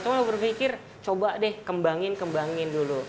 cuma berpikir coba deh kembangin kembangin dulu